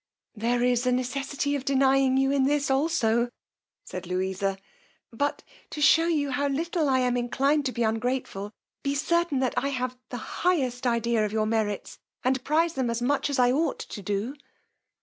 There is a necessity of denying you in this also, said Louisa; but to shew you how little I am inclined to be ungrateful, be certain that I have the highest idea of your merits, and prize them as much as I ought to do.